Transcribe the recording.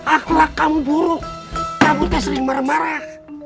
akhlaq kamu buruk kamu teh sering marah marah